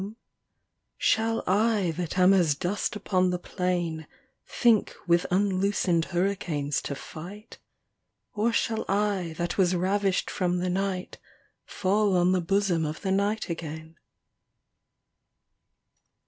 36 THE DIWAN OP ABUŌĆÖL ALA IX Shall I that am as dust upon the plain Think with unloosened hurricanes to fight ? Or shall I that was ravished from the night Fall on the bosom of the night again